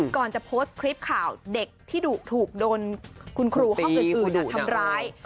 ก่อนจะโพสต์คลิปข่าวเด็กที่ดุถูกโดนคุณครูห้องอื่นทำร้าย